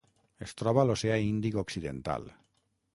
Es troba a l'Oceà Índic occidental.